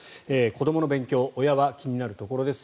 子どもの勉強親は気になるところです。